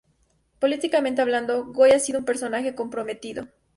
Políticamente hablando, Goy ha sido un personaje comprometido.